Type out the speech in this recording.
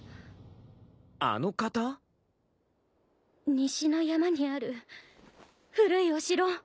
西の山にある古いお城。